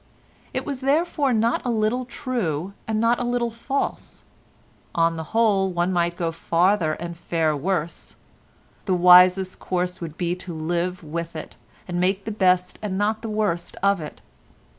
It was therefore not a little true and not a little false; on the whole one might go farther and fare worse; the wisest course would be to live with it, and make the best and not the worst of it.